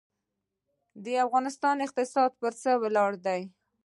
د افغانستان اقتصاد پر څه ولاړ دی؟